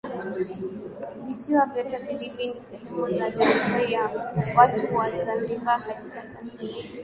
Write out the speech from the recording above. Visiwa vyote viwili ni sehemu za Jamhuri ya watu wa Zanzibar katika Tanzania